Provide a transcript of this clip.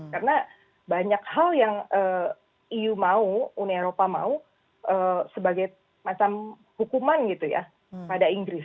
karena banyak hal yang eu mau uni eropa mau sebagai macam hukuman gitu ya pada inggris